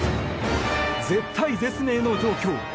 絶体絶命の状況。